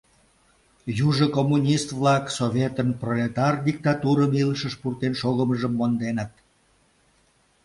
Южо коммунист-влак Советын пролетар диктатурым илышыш пуртен шогымыжым монденыт.